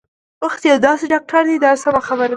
وخت یو داسې ډاکټر دی دا سمه خبره ده.